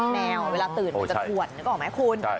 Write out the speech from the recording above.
แมวเวลาตื่นมันจะถวนนึกออกไหมคุณ